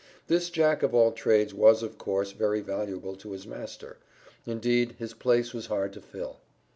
This Jack of all trades was, of course, very valuable to his master. Indeed his place was hard to fill.